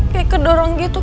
kayak ke dorong gitu